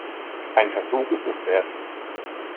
Einen Versuch ist es wert.